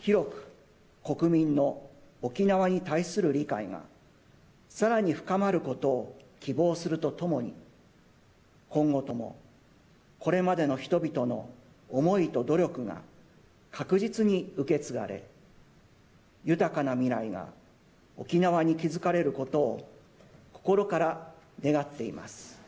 広く国民の沖縄に対する理解が、さらに深まることを希望するとともに、今後とも、これまでの人々の思いと努力が確実に受け継がれ、豊かな未来が沖縄に築かれることを心から願っています。